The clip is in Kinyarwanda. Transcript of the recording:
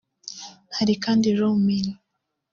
Hari kandi Raw Mill